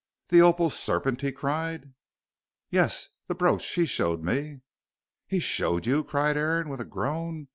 "The opal serpent!" he cried. "Yes the brooch he showed me." "He showed you!" cried Aaron, with a groan.